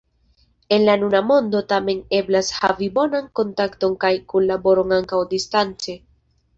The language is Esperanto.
En la nuna mondo tamen eblas havi bonan kontakton kaj kunlaboron ankaŭ distance.